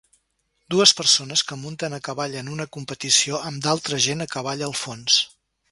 Dues persones que munten a cavall en una competició amb d'altra gent a cavall al fons.